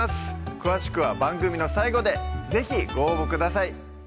詳しくは番組の最後で是非ご応募ください